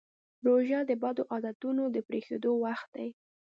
روژه د بدو عادتونو د پرېښودو وخت دی.